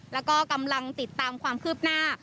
แล้วก็กำลังติดตามความคืบหน้า